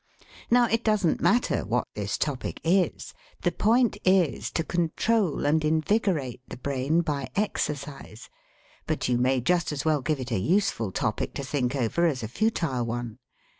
Now, it doesn't matter what this topic is the point is to control and invigorate the brain by exercise but you may just as well give it a useful topic to think over as a futile one.